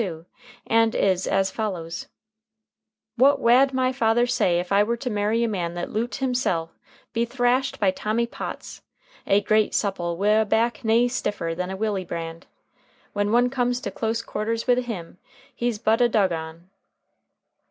292, and is as follows: "What wad my father say if I were to marry a man that loot himsel' be thrashed by Tommy Potts, a great supple wi' a back nae stiffer than a willy brand? ... When one comes to close quarters wi' him he's but a dugon."